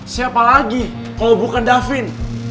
siapa lagi kalau bukan davin